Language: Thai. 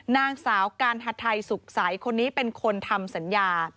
นางสาวการฮัททัยสุขสายก็เป็นคนทำสัญญา